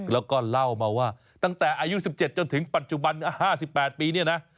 แล้วก็เล่ามาว่าตั้งแต่อายุ๑๗จนถึงปัจจุบัน๕๘ปีเนี่ยนะ